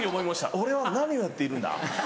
「俺は何をやっているんだ？」。